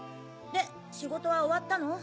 で仕事は終わったの？